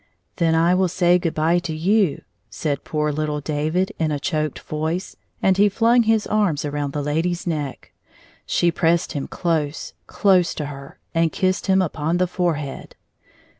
"Then I will say good by to you," said poor little David, in a choked voice, and he flung his arms around the lady's neck. She pressed him close, close to her, and kissed him upon the fore head.